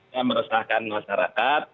yang meresahkan masyarakat